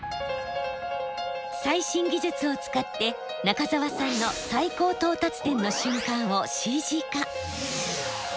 最新技術を使って中澤さんの最高到達点の瞬間をＣＧ化。